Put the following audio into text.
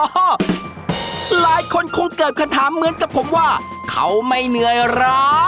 หลายคนคงเกิดคำถามเหมือนกับผมว่าเขาไม่เหนื่อยร้า